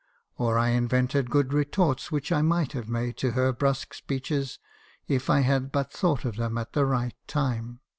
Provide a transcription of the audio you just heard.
Or I invented good retorts which I might have made to her brusque speeches if I had but thought of them at the right time.